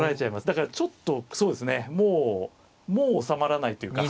だからちょっとそうですねもうもう収まらないというか